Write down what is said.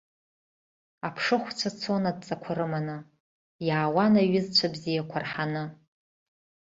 Аԥшыхәцәа цон адҵақәа рыманы, иаауан аҩызцәа бзиақәа рҳаны.